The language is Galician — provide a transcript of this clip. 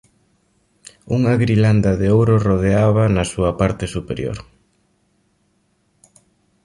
Unha grilanda de ouro rodeábaa na súa parte superior.